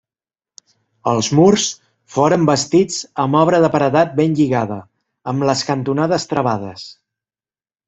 Els murs foren bastits amb obra de paredat ben lligada, amb les cantonades travades.